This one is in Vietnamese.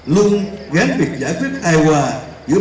luôn gắn việc giải quyết ai hòa giữa bảo vệ phát huy giá trị di sản